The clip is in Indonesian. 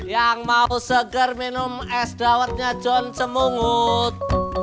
yang mau segar minum es dawetnya john cemungut